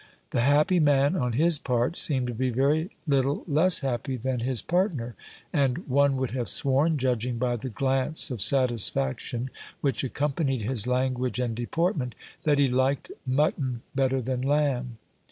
The happy man, on his part, seemed to be very little less happy than his partner ; and one would have sworn, judging by the glance of satisfac tion which accompanied his language and deportment, that he liked mutton bet ter than lamb.